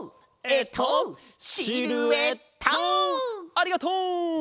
ありがとう！